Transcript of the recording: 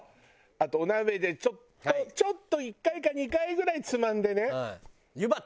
あとお鍋でちょっとちょっと１回か２回ぐらいつまんでね。